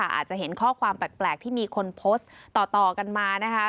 อาจจะเห็นข้อความแปลกที่มีคนโพสต์ต่อกันมานะคะ